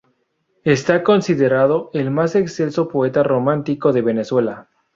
Esta considerado el más excelso poeta romántico de Venezuela.